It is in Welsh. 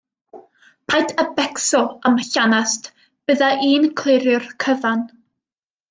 Paid â becso am y llanast, bydda i'n clirio'r cyfan.